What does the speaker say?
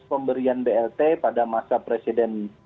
pemberian blt pada masa presiden